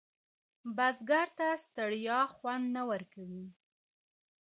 بزګر ته ستړیا خوند نه ورکوي